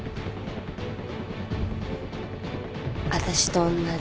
私とおんなじ。